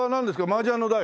麻雀の台？